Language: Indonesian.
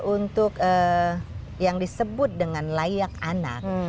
untuk yang disebut dengan layak anak